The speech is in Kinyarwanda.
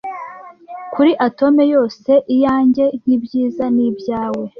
Kuri atome yose iyanjye nkibyiza ni ibyawe.